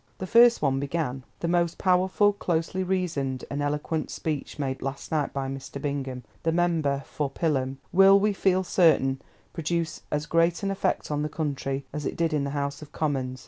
The first one began, "The most powerful, closely reasoned, and eloquent speech made last night by Mr. Bingham, the Member for Pillham, will, we feel certain, produce as great an effect on the country as it did in the House of Commons.